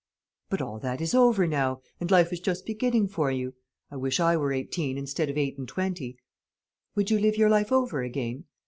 "But all that is over now, and life is just beginning for you. I wish I were eighteen instead of eight and twenty." "Would you live your life over again?"